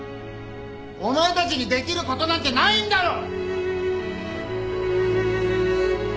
お前たちにできることなんてないんだよ！